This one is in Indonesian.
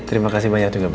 terima kasih banyak juga bu